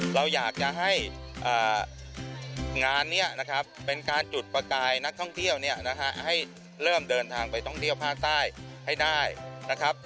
เราอยากจะให้งานนี้นะครับเป็นการจุดประกายนักท่องเที่ยวเนี่ยนะฮะให้เริ่มเดินทางไปท่องเที่ยวภาคใต้ให้ได้นะครับ